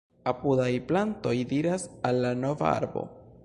Apudaj plantoj diras al la nova arbo: